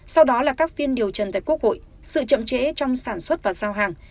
sau đó là các phiên điều trần tại quốc hội sự chậm trễ trong sản xuất và giao hàng